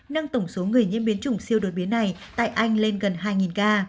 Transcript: nâng tổng số người nhiễm biến chủng siêu đột biến này tại anh lên gần hai ca